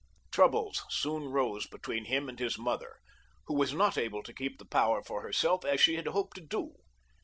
Troubles soon rose between him and his mother, who was not able to keep the power for herself as she had hoped to do.